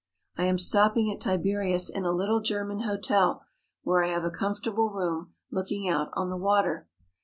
I am stopping at Tiberias in a little German hotel where I have a comfortable room looking out on the water.